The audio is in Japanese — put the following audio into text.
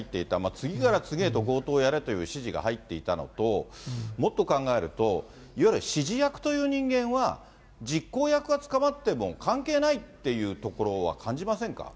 次から次へと強盗をやれという指示が入っていたのと、もっと考えると、いわゆる指示役という人間は、実行役が捕まっても関係ないっていうところは感じませんか。